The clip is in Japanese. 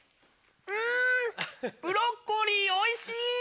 んブロッコリーおいしい！